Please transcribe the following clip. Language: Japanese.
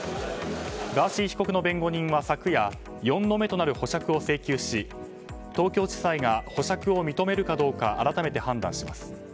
ガーシー被告の弁護人は昨夜４度目となる保釈を請求し東京地裁が保釈を認めるかどうか改めて判断します。